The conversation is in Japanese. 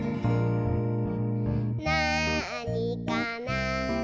「なあにかな？」